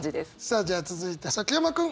さあじゃあ続いて崎山君。